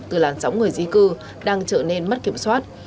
từ làn sóng người di cư đang trở nên mất kiểm soát